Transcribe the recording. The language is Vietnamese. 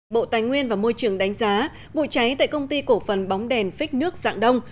bộ tài nguyên và môi trường đánh giá vụ cháy tại công ty cổ phần bóng đèn phích nước dạng đông